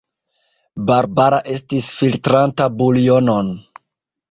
Barbara estis filtranta buljonon.